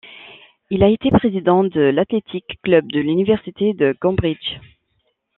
Il a été président de l'Athletic Club de l'Université de Cambridge.